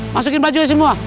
masukin bajunya semua